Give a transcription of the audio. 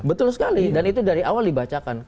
betul sekali dan itu dari awal dibacakan